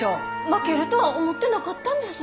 負けるとは思ってなかったんです。